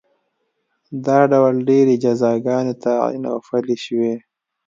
دا ډول ډېرې جزاګانې تعین او پلې شوې.